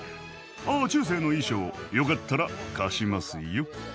あ中世の衣装よかったら貸しますよ！